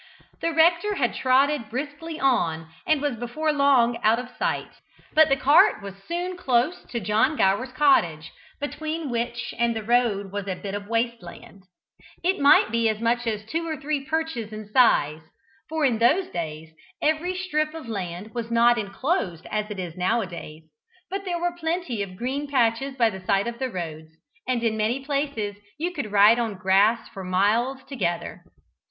The rector had trotted briskly on, and was before long out of sight, but the cart was soon close to John Gower's cottage, between which and the road was a bit of waste land; it might be as much as two or three perches in size, for in those days every strip of land was not enclosed as it is now a days, but there were plenty of green patches by the side of the roads, and in many places you could ride on grass for miles together.